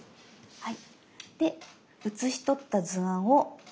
はい。